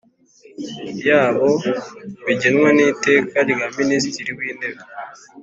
Yabo bigenwa n iteka rya minisitiri w intebe